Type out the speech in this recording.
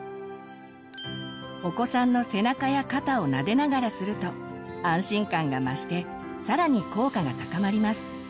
お子さんの背中や肩をなでながらすると安心感が増してさらに効果が高まります。